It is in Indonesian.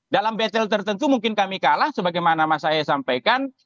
dalam battle tertentu mungkin kami kalah sebagaimana mas saya sampaikan